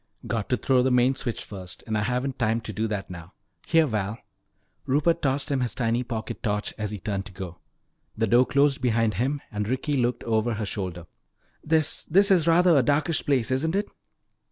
"Got to throw the main switch first, and I haven't time to do that now. Here, Val." Rupert tossed him his tiny pocket torch as he turned to go. The door closed behind him and Ricky looked over her shoulder. "This this is rather a darkish place, isn't it?"